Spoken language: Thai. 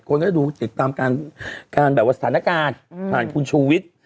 คนก็จะดูติดตามการแบบว่าสถานการณ์ผ่านคุณชูวิทย์